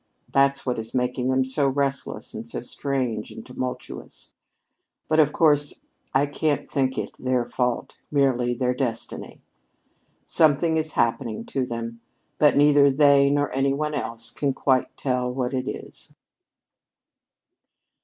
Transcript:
That's what is making them so restless and so strange and tumultuous. But of course I can't think it their fault merely their destiny. Something is happening to them, but neither they nor any one else can quite tell what it is."